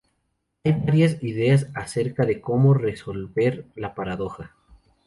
Hay varias ideas acerca de cómo resolver la paradoja.